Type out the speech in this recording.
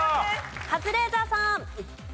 カズレーザーさん。